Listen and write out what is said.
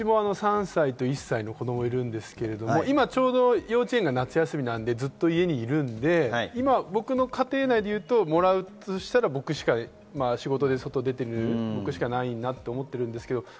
うちも３歳と１歳の子供がいるんですけれども、ちょうど幼稚園が夏休みなんでずっと家にいるんで、僕の家庭内でいうと、もらうとしたら僕しか、仕事で外に出ている僕しかいないと思ってるんですけど。